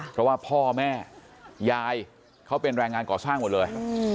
เพราะว่าพ่อแม่ยายเขาเป็นแรงงานก่อสร้างหมดเลย